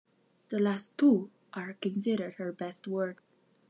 The last two are considered her best work.